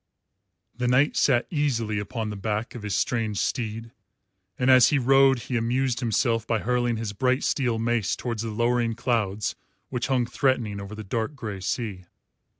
The knight sat easily upon the back of his strange steed, and as he rode he amused himself by hurling his bright steel mace towards the lowering clouds which hung threatening over the dark grey sea.